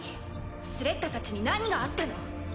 スレッタたちに何があったの？